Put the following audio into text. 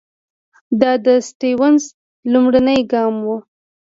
دا د سټیونز لومړنی ګام وو.